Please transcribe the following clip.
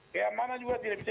keamanan juga tidak bisa